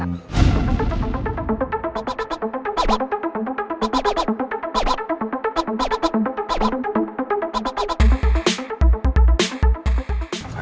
tadi udah keluar lewat pintu belakang kak